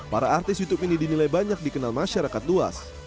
para artis youtube ini dinilai banyak dikenal masyarakat luas